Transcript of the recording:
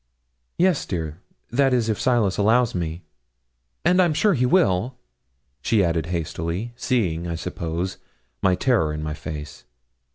'Yes, dear; that is if Silas allows me; and I'm sure he will,' she added hastily, seeing, I suppose, my terror in my face.